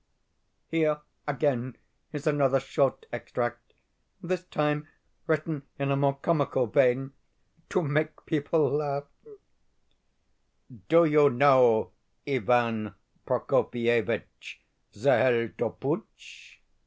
Here, again, is another short extract this time written in a more comical vein, to make people laugh: "Do you know Ivan Prokofievitch Zheltopuzh?